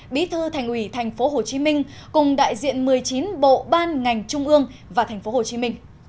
bí thư thành ủy tp hcm cùng đại diện một mươi chín bộ ban ngành trung ương và tp hcm